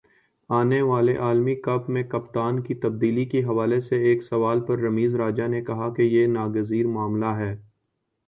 آنے والے عالمی کپ میں کپتان کی تبدیلی کے حوالے سے ایک سوال پر رمیز راجہ نے کہا کہ یہ ناگزیر معاملہ ہے